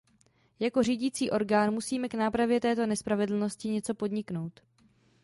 Jako řídící orgán musíme k nápravě této nespravedlnosti něco podniknout.